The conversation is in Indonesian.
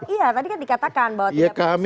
iya tadi kan dikatakan bahwa tidak